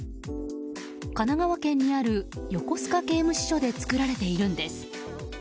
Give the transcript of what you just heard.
神奈川県にある横須賀刑務支所で作られているんです。